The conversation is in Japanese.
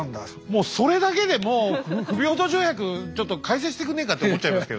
もうそれだけでもう不平等条約ちょっと改正してくんねえかって思っちゃいますけどね。